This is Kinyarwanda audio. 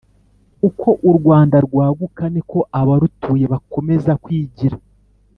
Uko u Rwanda rwagukaga niko abarutuye bakomezaga kwigira.